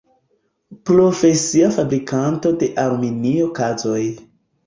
Profesia fabrikanto de aluminio kazoj.